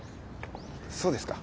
そうですか。